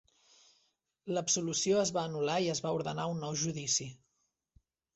L'absolució es va anul·lar i es va ordenar un nou judici.